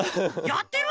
「やってる？」